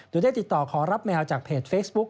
โดยได้ติดต่อขอรับแมวจากเพจเฟซบุ๊ก